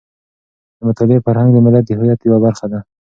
د مطالعې فرهنګ د ملت د هویت یوه برخه ده.